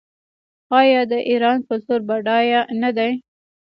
آیا د ایران کلتور بډایه نه دی؟